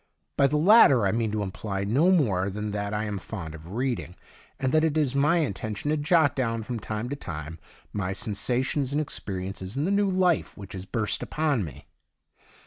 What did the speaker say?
By the latter I meant to imply no more than that I am fond of reading, and that it is my intention to jot down from time to time my sensations and ex periences in the new life which has burst upon me.